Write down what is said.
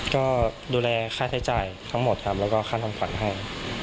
ก็ดูแลค่าใช้จ่ายทั้งหมดครับแล้วก็ค่าทำขวัญให้